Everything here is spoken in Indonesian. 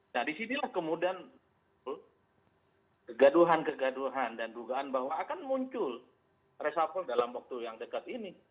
nah disinilah kemudian kegaduhan kegaduhan dan dugaan bahwa akan muncul reshuffle dalam waktu yang dekat ini